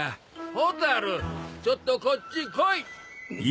蛍ちょっとこっち来い。